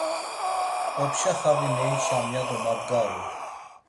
Opşa xavi meiçam ya do mabgaru.